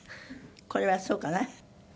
これはそうかな？